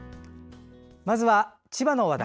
まずは千葉の話題。